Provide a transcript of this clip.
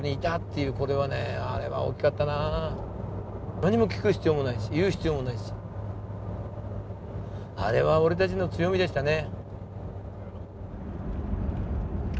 何も聞く必要もないし言う必要もないしあれは俺たちの強みでしたね。